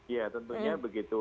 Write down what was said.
iya tentunya begitu